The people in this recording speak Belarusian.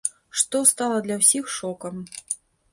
Што стала для ўсіх шокам.